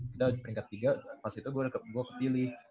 kita kelas tiga pas itu gua kepilih